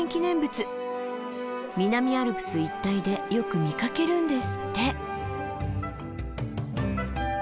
南アルプス一帯でよく見かけるんですって。